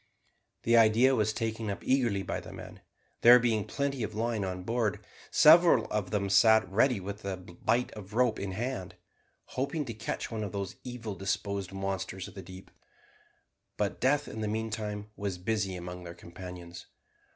The idea was taken up eagerly by the men; there being plenty of line on board, several of them sat ready with the bight of a rope in hand, hoping to catch one of those evil disposed monsters of the deep. But death in the meantime was busy among their companions.